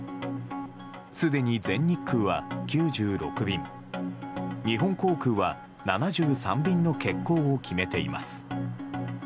すでに全日空は９６便、日本航空は７３便の欠航を決めています。